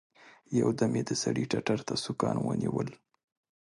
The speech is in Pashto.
يو دم يې د سړي ټتر ته سوکان ونيول.